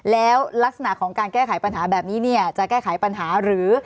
แล้วลักษณะของการแก้ไขปัญหาแบบนี้เนี่ยจะแก้ไขปัญหาหรือ